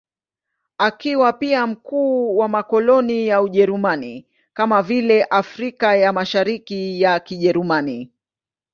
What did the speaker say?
Akiwa pia mkuu wa makoloni ya Ujerumani, kama vile Afrika ya Mashariki ya Kijerumani.